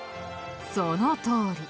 そのとおり。